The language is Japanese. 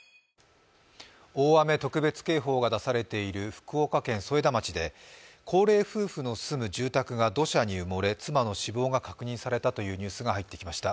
福岡県添田町で高齢夫婦の住む住宅が土砂に埋もれ、妻の死亡が確認されたというニュースが入ってきました。